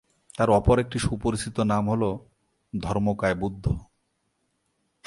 তাঁর অপর একটি সুপরিচিত নাম হল ধর্মকায় বুদ্ধ।